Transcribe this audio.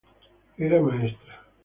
Era maestra.